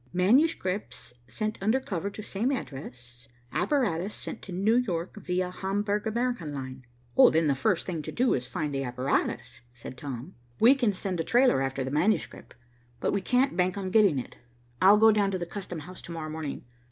"Manuscripts sent under cover to same address, apparatus sent to New York via Hamburg American line." "Then the first thing to do is to find the apparatus," said Tom. "We can send a trailer after the manuscript, but we can't bank on getting it. I'll go down to the custom house to morrow morning.